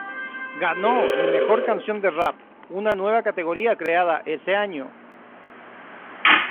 Ganó y Mejor canción de rap, una nueva categoría creada ese año.